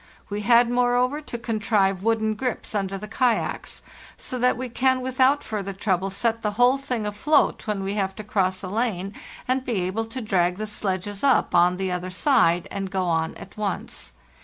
We had, moreover, to contrive wooden grips under the kayaks, so that we can without further trouble set the whole thing afloat when we have to cross a lane and be able to drag the sledges up on the other side and go on at once.